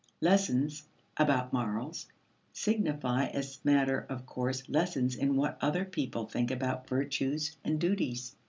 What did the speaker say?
Lessons "about morals" signify as matter of course lessons in what other people think about virtues and duties.